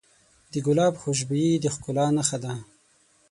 د ګلاب خوشبويي د ښکلا نښه ده.